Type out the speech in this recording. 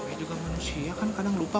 ya tapi juga manusia kan kadang lupa